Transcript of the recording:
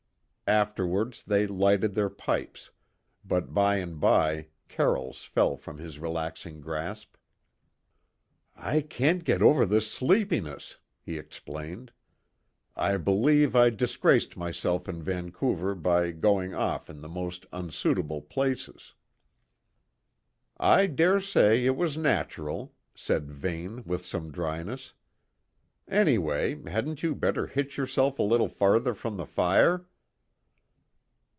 Afterwards, they lighted their pipes, but by and by Carroll's fell from his relaxing grasp. "I can't get over this sleepiness," he explained. "I believe I disgraced myself in Vancouver by going off in the most unsuitable places." "I dare say it was natural," said Vane with some dryness. "Anyway, hadn't you better hitch yourself a little farther from the fire?"